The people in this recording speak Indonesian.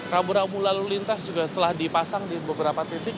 rambu rambu lalu lintas juga telah dipasang di beberapa titik